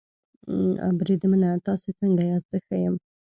بریدمنه تاسې څنګه یاست؟ زه ښه یم.